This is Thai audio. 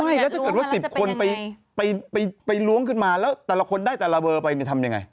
ใช่แล้วถ้าเกิดว่า๑๐คนไปล้วงขึ้นมาแล้วแต่ละคนได้แต่ละเบอร์ไปทำยังไง